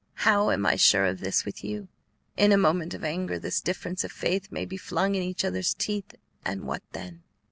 How am I sure of this with you? In a moment of anger this difference of faith may be flung in each other's teeth, and what then?"